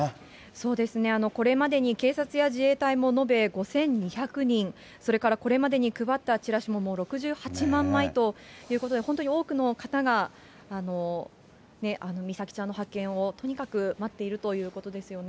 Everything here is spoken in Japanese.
そうですね、これまでに警察や自衛隊も延べ５２００人、それからこれまでに配ったチラシももう６８万枚ということで、本当に多くの方が美咲ちゃんの発見をとにかく待っているということですよね。